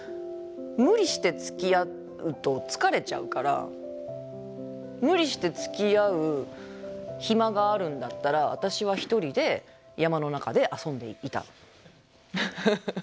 無理してつきあうと疲れちゃうから無理してつきあう暇があるんだったら私は一人で山の中で遊んでいたのよ。